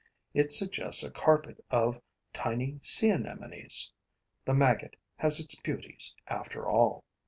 It suggests a carpet of tiny Sea anemones. The maggot has its beauties after all.